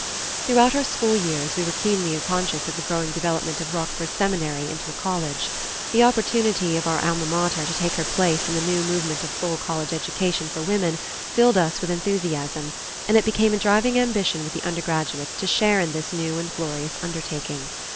Throughout our school years, we were always keenly conscious of the growing development of Rockford Seminary into a college. The opportunity for our Alma Mater to take her place in the new movement of full college education for women filled us with enthusiasm, and it became a driving ambition with the undergraduates to share in this new and glorious undertaking.